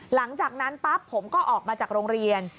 หลังจากนั้นปั๊บผมก็ออกมาจากโรงเรียน